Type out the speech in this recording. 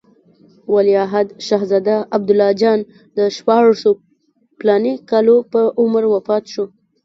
ولیعهد شهزاده عبدالله جان د شپاړسو فلاني کالو په عمر وفات شو.